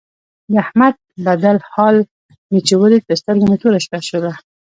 د احمد بدل حال مې چې ولید په سترګو مې توره شپه شوله.